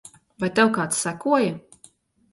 Vai tev kāds sekoja?